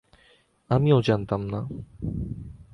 আমিও জানতাম না।